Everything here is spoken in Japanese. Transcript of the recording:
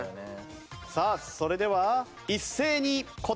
さあそれでは一斉に答えをどうぞ！